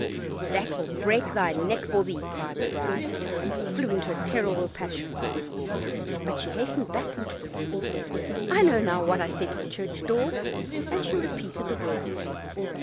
"That will break thy neck for thee!" cried the bride, and flew into a terrible passion, but she hastened back into the room, and said, "I know now what I said to the church door," and she repeated the words.